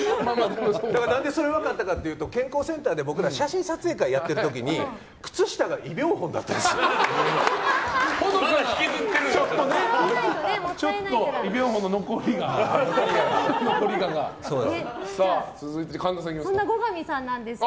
何でそれが分かったかというと健康センターで僕ら、写真撮影会やっている時に靴下がイ・ビョンホンだったんですよ。